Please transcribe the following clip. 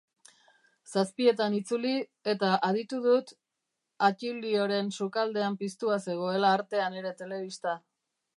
Zazpietan itzuli, eta aditu dut Attilioren sukaldean piztua zegoela artean ere telebista.